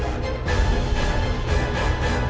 ya kita kembali ke sekolah